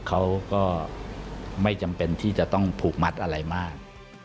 เขาก็ไม่จำเป็นที่จะต้องผูกมัดอะไรมาก